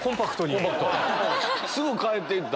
すぐ帰っていった。